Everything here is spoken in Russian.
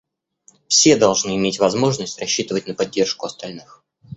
Все должны иметь возможность рассчитывать на поддержку остальных.